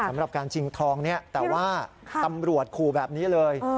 สำหรับการชิงทองนี้แต่ว่าตำรวจขู่แบบนี้เลย